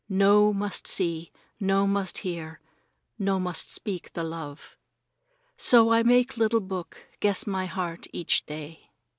No must see, no must hear, no must speak the love. So I make little book guess my heart each day.